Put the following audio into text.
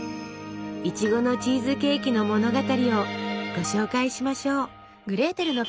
いちごのチーズケーキの物語をご紹介しましょう。